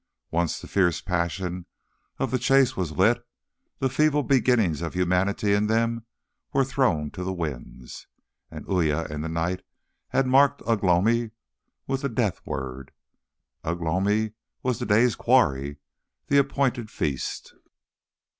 Once the fierce passion of the chase was lit, the feeble beginnings of humanity in them were thrown to the winds. And Uya in the night had marked Ugh lomi with the death word. Ugh lomi was the day's quarry, the appointed feast.